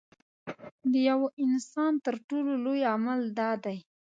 د یوه انسان تر ټولو لوی عمل دا دی.